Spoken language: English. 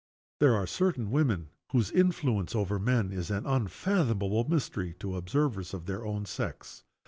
There are certain women whose influence over men is an unfathomable mystery to observers of their own sex.